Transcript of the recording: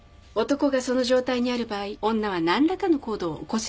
男がその状態にある場合女は何らかの行動を起こす必要がある。